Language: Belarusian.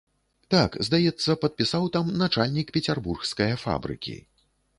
Так, здаецца, падпісаў там начальнік пецярбургскае фабрыкі.